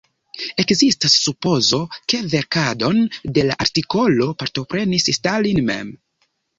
Ekzistas supozo, ke verkadon de la artikolo partoprenis Stalin mem.